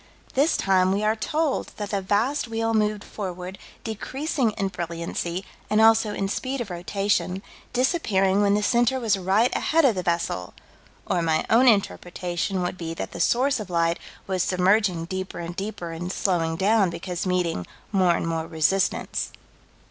This time we are told that the vast wheel moved forward, decreasing in brilliancy, and also in speed of rotation, disappearing when the center was right ahead of the vessel or my own interpretation would be that the source of light was submerging deeper and deeper and slowing down because meeting more and more resistance.